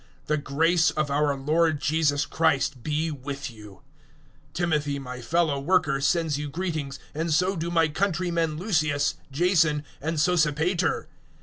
The grace of our Lord Jesus Christ be with you! 016:021 Timothy, my fellow worker, sends you greetings, and so do my countrymen Lucius, Jason and Sosipater.